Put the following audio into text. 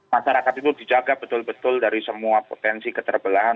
masyarakat itu dijaga betul betul dari semua potensi keterbelahan